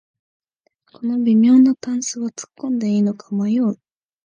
この微妙なダンスはつっこんでいいのか迷う